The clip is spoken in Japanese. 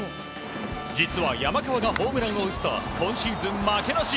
実は、山川がホームランを打つと今シーズン負けなし。